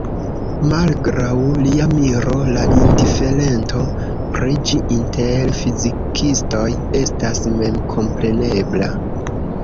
Malgraŭ lia miro, la indiferento pri ĝi inter fizikistoj estas memkomprenebla.